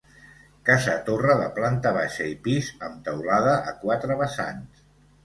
Casa-torre de planta baixa i pis, amb teulada a quatre vessants.